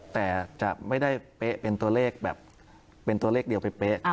แต่จะไม่ได้เป๊ะเป็นตัวเลขแบบเป็นตัวเลขเดียวเป๊ะ